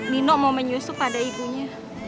nino mau menyusup pada ibunya